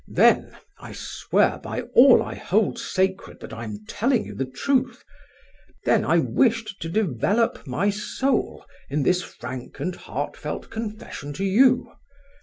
then—I swear by all I hold sacred that I am telling you the truth—then I wished to develop my soul in this frank and heartfelt confession to you.